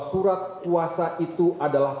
surat kuasa itu adalah